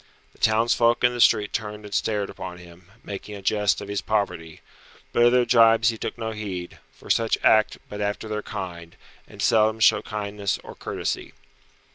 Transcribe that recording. The townsfolk in the street turned and stared upon him, making a jest of his poverty, but of their jibes he took no heed, for such act but after their kind, and seldom show kindliness or courtesy.